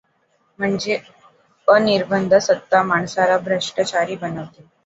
म्हणजे अनिर्बंध सत्ता माणसाला भ्रष्टाचारी बनवते.